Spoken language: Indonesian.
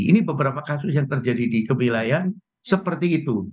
ini beberapa kasus yang terjadi di kebilayan seperti itu